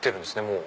もう。